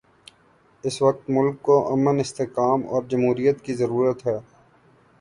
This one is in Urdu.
اس وقت ملک کو امن، استحکام اور جمہوریت کی ضرورت ہے۔